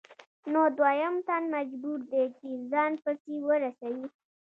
نو دویم تن مجبور دی چې ځان پسې ورسوي